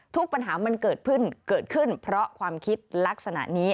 ปัญหามันเกิดขึ้นเกิดขึ้นเพราะความคิดลักษณะนี้